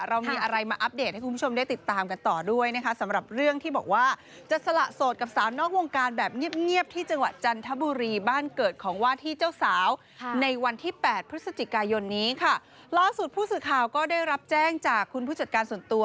เรามีอะไรมาอัปเดตให้คุณผู้ชมได้ติดตามกันต่อด้วยนะคะ